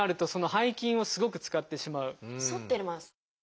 反ってます。